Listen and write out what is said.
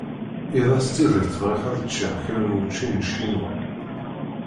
Iḍ-a s tidet bɣiɣ ad ččeɣ kra n wučči n Ccinwa.